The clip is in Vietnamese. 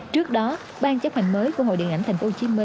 trước đó ban chấp hành mới của hội điện ảnh tp hcm